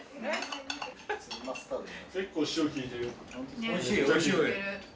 ・結構塩効いてる。